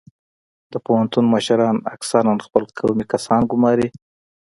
د پوهنتون مشران اکثرا خپل قومي کسان ګماري